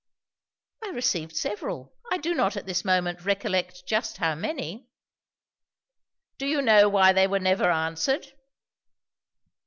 "I received several I do not at this moment recollect just how many." "Do you know why they were never answered?"